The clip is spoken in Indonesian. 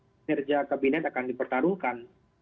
dan tentu kinerja kabinet akan dipertarungkan